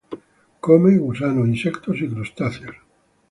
Come gusanos, insectos y crustáceos.